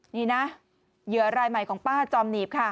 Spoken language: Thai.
นี่นะเหยื่อรายใหม่ของป้าจอมหนีบค่ะ